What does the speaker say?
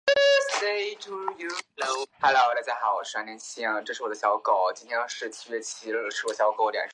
德意志亚恩多夫是奥地利布尔根兰州滨湖新锡德尔县的一个市镇。